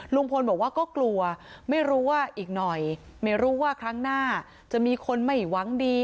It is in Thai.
ลุงพลบอกว่าก็กลัวไม่รู้ว่าอีกหน่อยไม่รู้ว่าครั้งหน้าจะมีคนไม่หวังดี